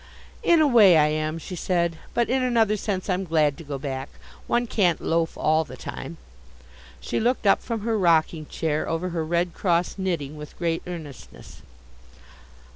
"In a way I am," she said, "but in another sense I'm glad to go back. One can't loaf all the time." She looked up from her rocking chair over her Red Cross knitting with great earnestness.